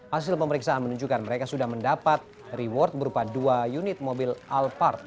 hasil pemeriksaan menunjukkan mereka sudah mendapat reward berupa dua unit mobil alphard